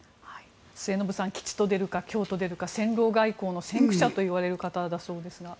末延さん吉と出るか凶と出るか戦狼外交の先駆者といわれる方だそうですが。